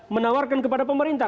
menawarkan kepada pemerintah